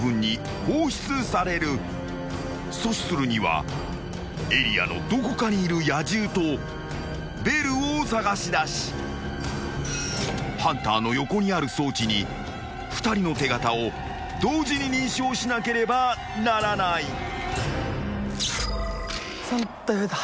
［阻止するにはエリアのどこかにいる野獣とベルを捜しだしハンターの横にある装置に２人の手形を同時に認証しなければならない］